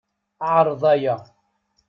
Ɛreḍ aya.